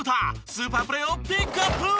スーパープレーをピックアップ！